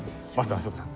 塩田さん。